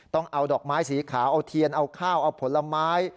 ต้องเอาดอกไม้สีขาวเอาเทียนเอาข้าวเอาผลไม้